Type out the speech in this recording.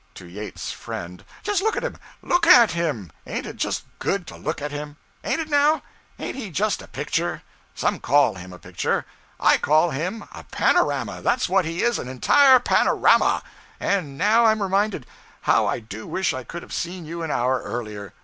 [To Yates's friend:] 'Just look at him! _Look _at him! Ain't it just _good _to look at him! ain't it now? Ain't he just a picture! _Some _call him a picture; I call him a panorama! That's what he is an entire panorama. And now I'm reminded! How I do wish I could have seen you an hour earlier!